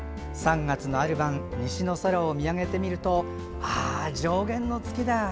３月のある晩西の空を見上げてみると上弦の月だ。